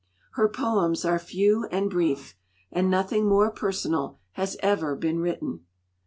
Her poems are few and brief, and nothing more personal has ever been written.